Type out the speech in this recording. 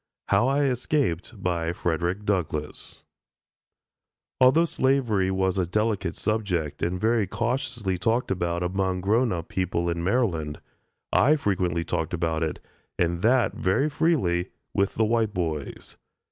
HOW I ESCAPED FREDERICK DOUGLASS Although slavery was a delicate subject, and very cautiously talked about among grown up people in Maryland, I frequently talked about it, and that very freely, with the white boys.